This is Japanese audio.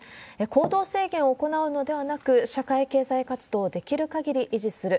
行動制限を行うのではなく、社会経済活動をできる限り維持する。